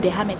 sao chị ơi